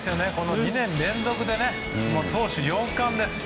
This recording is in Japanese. ２年連続で投手４冠です。